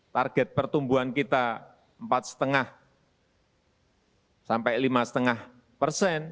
target pertumbuhan kita empat lima sampai lima lima persen